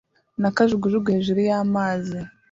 na kajugujugu hejuru y'amazi